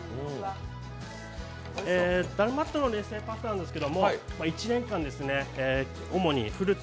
ダルマットの冷製パスタなんですけど１年間でフルーツ